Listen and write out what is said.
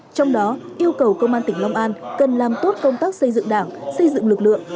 trong đó yêu cầu công an tỉnh long an cần làm tốt công tác xây dựng đảng xây dựng lực lượng